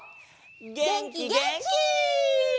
げんきげんき！